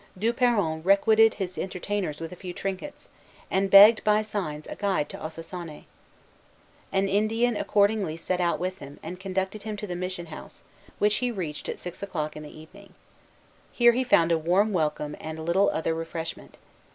Du Peron requited his entertainers with a few trinkets, and begged, by signs, a guide to Ossossané. An Indian accordingly set out with him, and conducted him to the mission house, which he reached at six o'clock in the evening. Here he found a warm welcome, and little other refreshment.